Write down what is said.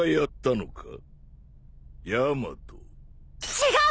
違う！